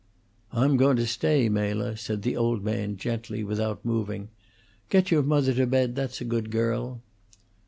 "I'm goin' to stay, Mela," said the old man, gently, without moving. "Get your mother to bed, that's a good girl."